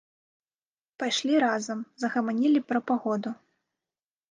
Пайшлі разам, загаманілі пра пагоду.